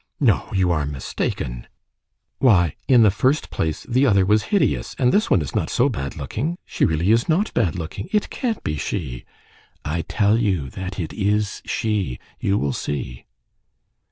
No, you are mistaken! Why, in the first place, the other was hideous, and this one is not so bad looking! She really is not bad looking! It can't be she!" "I tell you that it is she. You will see."